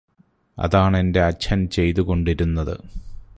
അതാണെന്റെ അച്ഛന് ചെയ്തു കൊണ്ടിരുന്നത്